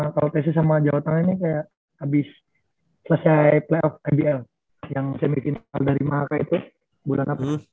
kalau tc sama jawa tengah ini kayak abis selesai playoff nbl yang semifinal dari makaka itu bulan apa